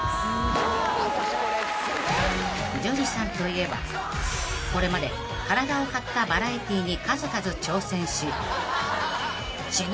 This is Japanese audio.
［樹さんといえばこれまで体を張ったバラエティに数々挑戦し］